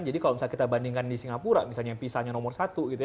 jadi kalau misalnya kita bandingkan di singapura misalnya pisa nya nomor satu gitu ya